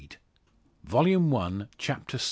Volume One, Chapter VI.